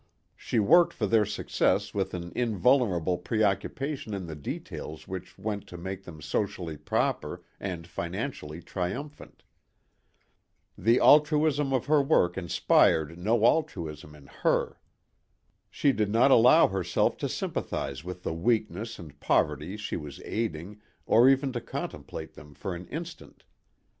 She worked for their success with an invulnerable preoccupation in the details which went to make them socially proper and financially triumphant. The altruism of her work inspired no altruism in her. She did not allow herself to sympathise with the weakness and poverties she was aiding or even to contemplate them for an instant.